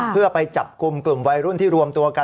เพื่อไปจับกลุ่มกลุ่มวัยรุ่นที่รวมตัวกัน